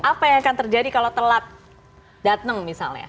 apa yang akan terjadi kalau telat datang misalnya